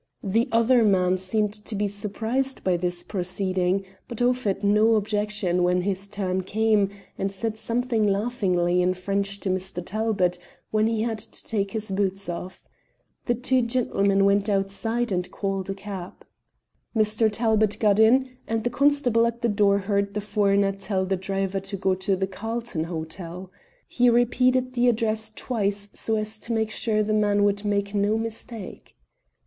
The other man seemed to be surprised by this proceeding, but offered no objection when his turn came, and said something laughingly in French to Mr. Talbot, when he had to take his boots off. The two gentlemen went outside and called a cab. Mr. Talbot got in, and the constable at the door heard the foreigner tell the driver to go to the Carlton Hotel. He repeated the address twice, so as to make sure the man would make no mistake.